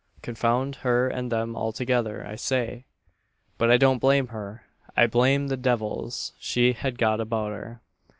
Confound her and them altogether, I say! But I don't blame her I blame the devils she has got about her.